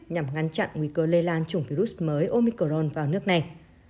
nhằm ngăn chặn nguy cơ lây lan chủng virus mới omicron vào nước này